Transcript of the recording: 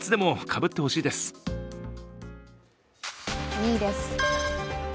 ２位です。